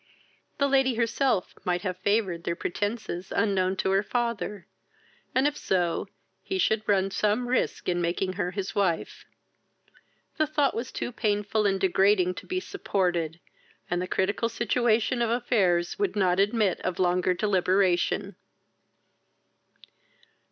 The lady herself might have favoured their pretences unknown to her father; and, if so, he should run some risk in making her his wife. The thought was too painful and degrading to be supported, and the critical situation of affairs would not admit of longer deliberation.